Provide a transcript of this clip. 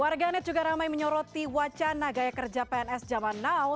warganet juga ramai menyoroti wacana gaya kerja pns zaman now